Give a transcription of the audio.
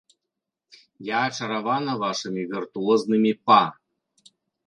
Я ачаравана вашымі віртуознымі па.